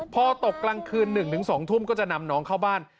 พอตกกลางคืน๑๒ทุ่มก็จะนำน้องเข้าบ้าน